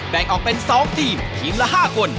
แบ่งออกเป็น๒ทีมทีมละ๕คน